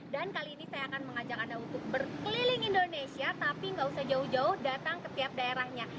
dan kali ini saya akan mengajak anda untuk berkeliling indonesia tapi gak usah jauh jauh datang ke setiap daerahnya